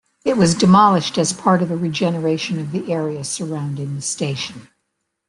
It was demolished as part of a regeneration of the area surrounding the station.